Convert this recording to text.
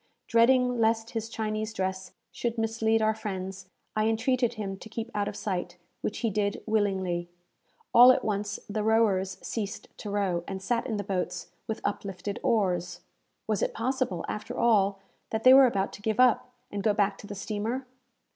Dreading lest his Chinese dress should mislead our friends, I entreated him to keep out of sight; which he did, willingly. All at once the rowers ceased to row, and sat in the boats with uplifted oars. Was it possible, after all, that they were about to give up, and go back to the steamer?